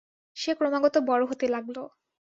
সে ক্রমাগত বড় হতে লাগল।